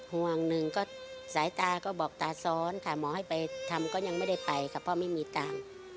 ห่วงหนึ่งก็สายตาก็บอกตาซ้อนค่ะหมอให้ไปทำก็ยังไม่ได้ไปค่ะเพราะไม่มีตังค์